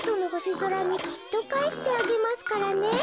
ぞらにきっとかえしてあげますからね」。